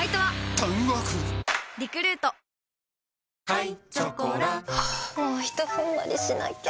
はい。